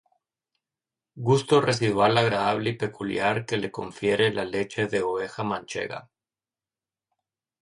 Gusto residual agradable y peculiar que le confiere la leche de oveja manchega.